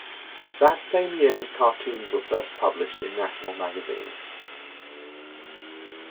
That same year his cartoons were first published in national magazines.